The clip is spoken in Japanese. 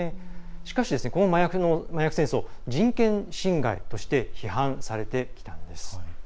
しかし、この麻薬戦争人権侵害として批判されてきたんです。